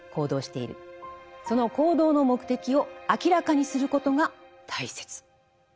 その行動の目的を明らかにすることが大切。